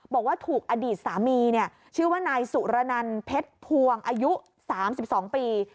บอกว่าถูกอดีตสามีชื่อว่านายสุรนันเพชรพวงอายุ๓๒ปี